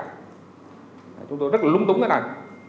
chúng tôi rất là lúng túng cái này